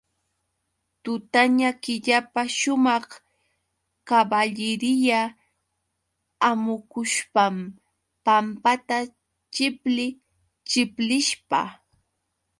Tutaña killapa sumaq kaballiriya hamukushpam pampata chipli chiplishpa.